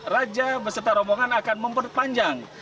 raja beserta rombongan akan memperpanjang